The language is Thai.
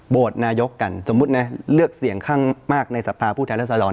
นายกกันสมมุตินะเลือกเสี่ยงข้างมากในสภาพผู้แทนรัศดร